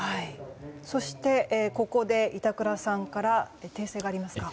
そして、ここで板倉さんから訂正がありますか。